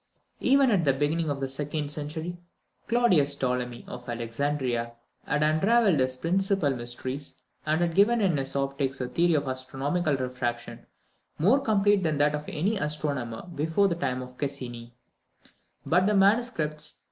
Even at the beginning of the second century, Claudius Ptolemy of Alexandria had unravelled its principal mysteries, and had given in his Optics a theory of astronomical refraction more complete than that of any astronomer before the time of Cassini; but the MSS.